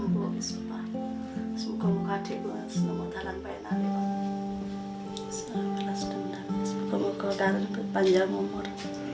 buku buku agar panjang umur